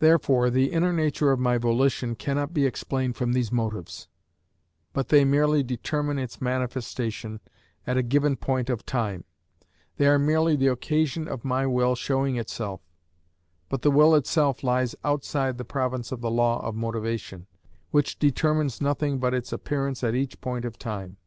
Therefore the inner nature of my volition cannot be explained from these motives; but they merely determine its manifestation at a given point of time: they are merely the occasion of my will showing itself; but the will itself lies outside the province of the law of motivation, which determines nothing but its appearance at each point of time.